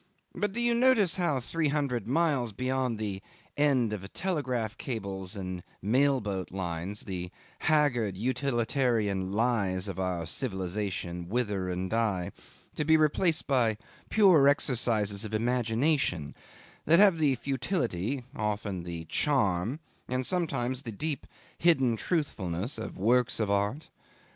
But do you notice how, three hundred miles beyond the end of telegraph cables and mail boat lines, the haggard utilitarian lies of our civilisation wither and die, to be replaced by pure exercises of imagination, that have the futility, often the charm, and sometimes the deep hidden truthfulness, of works of art?